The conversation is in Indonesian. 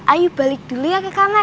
ayu balik dulu ya ke kamar